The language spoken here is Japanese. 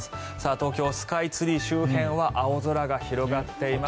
東京スカイツリー周辺は青空が広がっています。